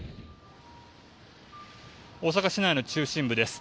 大阪市内の中心部です。